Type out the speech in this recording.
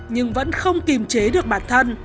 nhưng vẫn không kìm chế được bản thân